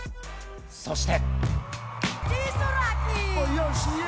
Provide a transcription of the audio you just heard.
そして。